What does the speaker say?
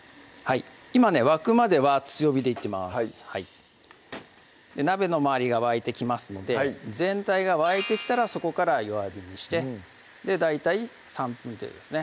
今ね沸くまでは強火でいってます鍋の周りが沸いてきますので全体が沸いてきたらそこから弱火にして大体３分程度ですね